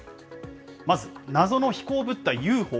まず謎の飛行物体ＵＦＯ。